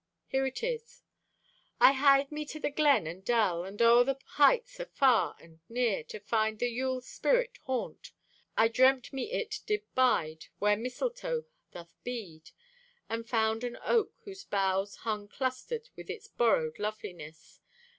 Here it is: I hied me to the glen and dell, And o'er the heights, afar and near, To find the Yule sprite's haunt. I dreamt me it did bide Where mistletoe doth bead; And found an oak whose boughs Hung clustered with its borrowed loveliness.